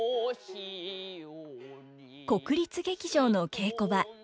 国立劇場の稽古場。